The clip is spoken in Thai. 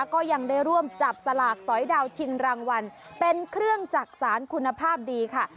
ก็ยังได้ร่วมจับสลากสอยดาวชิงรางวัลเป็นเครื่องจักษานคุณภาพดีค่ะ